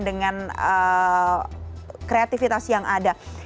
dengan kreativitas yang ada